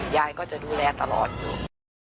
ยายก็จะดูแลตลอดอยู่